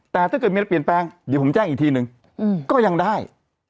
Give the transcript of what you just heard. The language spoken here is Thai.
แต่ถ้าเกิดมีอะไรเปลี่ยนแปลงเดี๋ยวผมแจ้งอีกทีนึงก็ยังได้